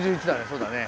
そうだね。